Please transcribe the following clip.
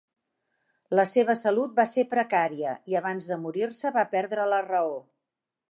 La seva salut va ser precària i, abans de morir-se, va perdre la raó.